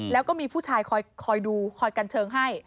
แล้วก็มีผู้ชายคอยดูคอยกันเชิงให้